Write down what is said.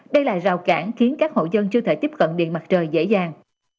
đây là rào cản khiến các hộ dân chưa thể tiếp cận điện mặt trời dễ dàng